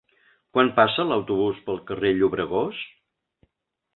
Quan passa l'autobús pel carrer Llobregós?